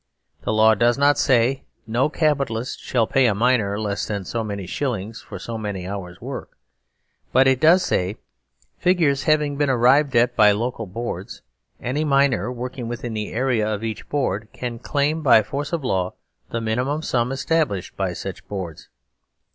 The law does not say :" No Capitalist shall pay a miner less than so many shillings for so many hours' work." But it does say: "Figures having been arrived at by local boards, any miner working within the area of each board can claim by force of law the minimum sum established by such boards."